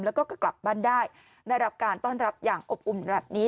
แล้วก็กลับบ้านได้ได้รับการต้อนรับอย่างอบอุ่นแบบนี้